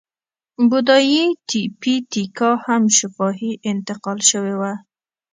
بودایي تیپي تیکا هم شفاهي انتقال شوې وه.